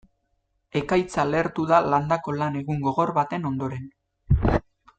Ekaitza lehertu da landako lan egun gogor baten ondoren.